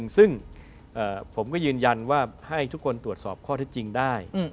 ซึ่งผมก็ยืนยันว่าให้ทุกคนตรวจสอบข้อเท็จจริงได้